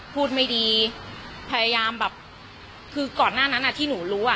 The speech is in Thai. พูดไม่ดีพยายามแบบคือก่อนหน้านั้นอ่ะที่หนูรู้อ่ะ